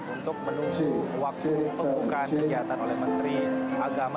untuk menunggu waktu untuk menggunakan kegiatan oleh menteri agama